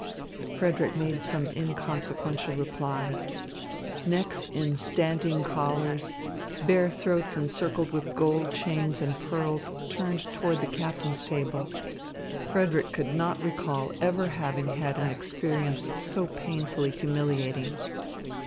Frederick made some inconsequential reply. Necks in standing collars, bare throats encircled with gold chains and pearls turned toward the captain's table. Frederick could not recall ever having had an experience so painfully humiliating.